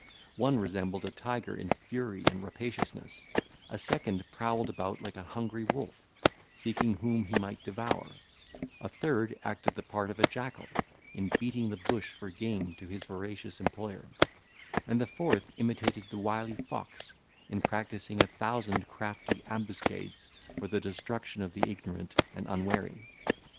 One resembled a tiger in fury and rapaciousness; a second prowled about like an hungry wolf, seeking whom he might devour; a third acted the part of a jackal, in beating the bush for game to his voracious employer; and the fourth imitated the wily fox, in practising a thousand crafty ambuscades for the destruction of the ignorant and unwary.